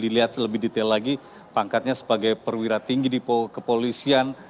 dilihat lebih detail lagi pangkatnya sebagai perwira tinggi di kepolisian